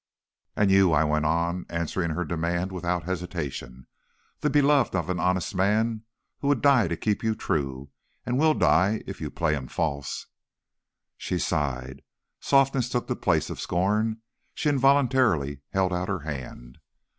"'And you,' I went on, answering her demand without hesitation, 'the beloved of an honest man who would die to keep you true, and will die if you play him false!' "She sighed. Softness took the place of scorn; she involuntarily held out her hand.